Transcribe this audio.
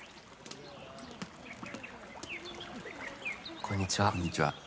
こんにちは。